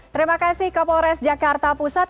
terima kasih kapolres jakarta pusat